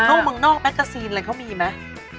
ห้องเมืองนอกแมกกาซีนอะไรเขามีไหม